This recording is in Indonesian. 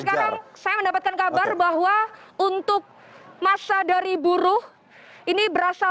dan sekarang saya mendapatkan kabar bahwa untuk massa dari buruh ini berhasil